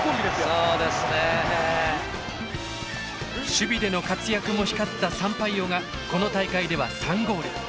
守備での活躍も光ったサンパイオがこの大会では３ゴール。